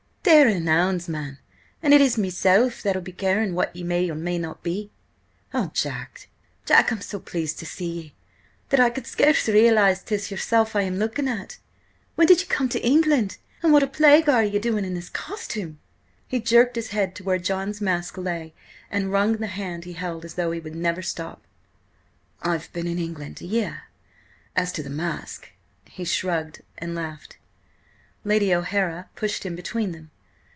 "Tare an' ouns, man! And is it meself that'll be caring what ye may or may not be? Oh, Jack, Jack, I'm so pleased to see ye, that I can scarce realise 'tis yourself I am looking at! When did ye come to England, and what a plague are you doing in that costume?" He jerked his head to where John's mask lay, and wrung the hand he held as though he would never stop. "I've been in England a year. As to the mask—!" He shrugged and laughed. Lady O'Hara pushed in between them.